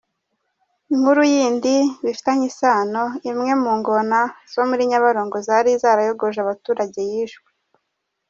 Inkuru yindi bifitanye isano : Imwe mu ngona zo muri Nyabarongo zari zarayogoje abaturage yishwe.